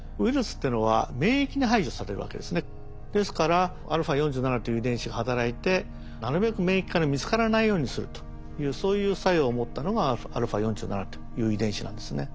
ですからα４７という遺伝子が働いてなるべく免疫から見つからないようにするというそういう作用を持ったのがα４７という遺伝子なんですね。